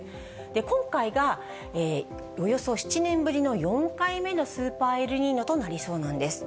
今回がおよそ７年ぶりの４回目のスーパーエルニーニョとなりそうなんです。